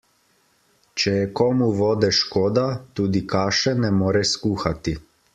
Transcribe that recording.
Če je komu vode škoda, tudi kaše ne more skuhati.